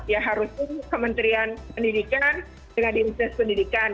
ya harusnya kementerian pendidikan dengan dinas pendidikan